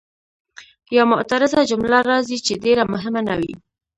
یا معترضه جمله راځي چې ډېره مهمه نه وي.